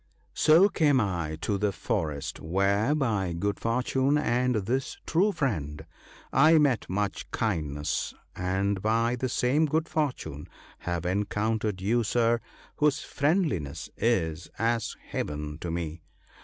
* So came I to the forest, where, by good fortune and this true friend, I met much kindness ; and by the same good fortune have encountered you, Sir, whose friend liness is as Heaven to me.